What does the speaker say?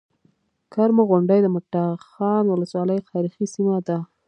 کرمو غونډۍ د مټاخان ولسوالۍ تاريخي سيمه ده